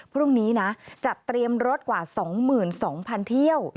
พรุ่งนี้นะจัดเตรียมรถกว่า๒๒๐๐๐เที่ยว